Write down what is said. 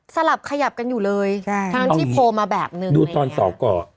สลับขยับกันอยู่เลยใช่ทั้งที่โพลมาแบบนึงดูตอนสอกร